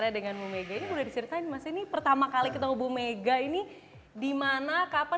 ini boleh diceritain mas ini pertama kali ketemu bu mega ini dimana kapan